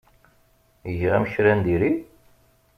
Giɣ-am kra n diri?